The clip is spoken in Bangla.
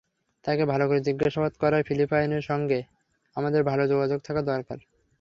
তাঁকে ভালো করে জিজ্ঞাসাবাদ করায় ফিলিপাইনের সঙ্গে আমাদের ভালো যোগাযোগ থাকা দরকার।